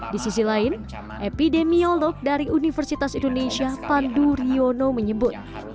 di sisi lain epidemiolog dari universitas indonesia pandu riono menyebut